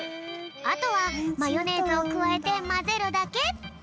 あとはマヨネーズをくわえてまぜるだけ。